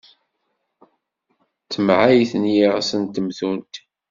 D tamɛayt n yiɣes n temtunt.